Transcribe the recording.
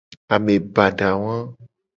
Ame bada wa.